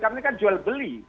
karena ini kan jual beli